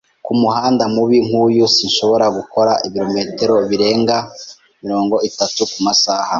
Kumuhanda mubi nkuyu, sinshobora gukora ibirometero birenga mirongo itatu kumasaha.